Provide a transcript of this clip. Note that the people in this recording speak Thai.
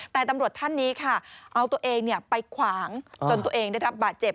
แต่ตำรวจท่านนี้ค่ะเอาตัวเองไปขวางจนตัวเองได้รับบาดเจ็บ